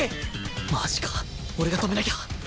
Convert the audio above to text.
マジか俺が止めなきゃ！